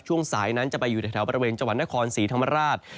ช่วงสายนั้นจะไปอยู่ในแถวบริเวณจังหวัดนครศรีธรรมราช